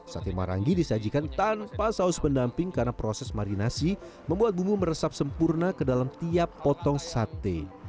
sate marangi disajikan tanpa saus pendamping karena proses marinasi membuat bumbu meresap sempurna ke dalam tiap potong sate